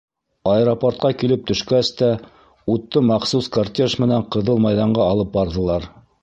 Аэропортҡа килеп төшкәс тә, утты махсус кортеж менән Ҡыҙыл майҙанға алып барҙылар.